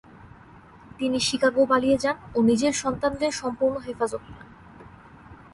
তিনি শিকাগো পালিয়ে যান ও নিজের সন্তানদের সম্পূর্ণ হেফাজত পান।